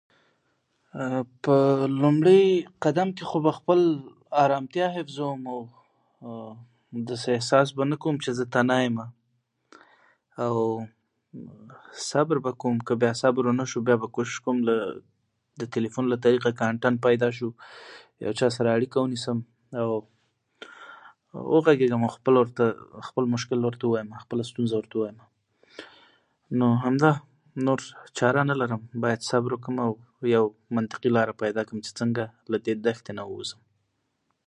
په لومړي قدم کې خو به خپل ارامتیا حفظ وم او داسې احساس به نه کوم چې زه تنا یمه صبر به او کوم که بیا صبر ونشو بیا به کوشش کوم له د تلیفون له طریقه که آنتن پیدا شو یو چا سره اړیکه ونیسم وغږېږم خپل خپل مشکل ورته ووایم خپله ستونزه ورته ووایم نو همدا نور چاره نه لرم باید صبر وکړم یو منطقی لاره پیدا کړم چې څنگه د دښتې نه وځوم